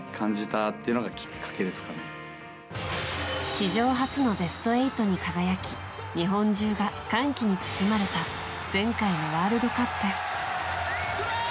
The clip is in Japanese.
史上初のベスト８に輝き日本中が歓喜に包まれた前回のワールドカップ。